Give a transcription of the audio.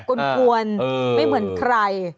กลวนไม่เหมือนใคร